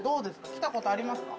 来たことありますか？